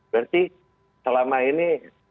berarti selama ini